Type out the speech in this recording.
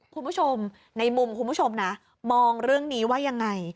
คุณผู้ชมในมุมคุณผู้ชมนะมองเรื่องนี้ว่ายังไง